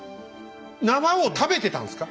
縄を食べてたんですか？